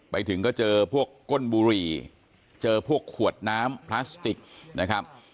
ไปถึงก็เจอพวกก้นบุหรี่เจอพวกขวดน้ำพลาสติกนะครับ